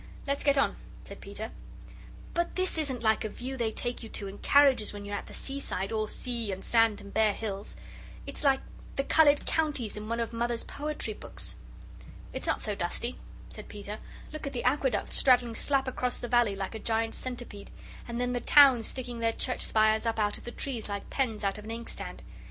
"Let's get on," said Peter. "But this isn't like a view they take you to in carriages when you're at the seaside, all sea and sand and bare hills. It's like the 'coloured counties' in one of Mother's poetry books." "It's not so dusty," said Peter; "look at the Aqueduct straddling slap across the valley like a giant centipede, and then the towns sticking their church spires up out of the trees like pens out of an inkstand.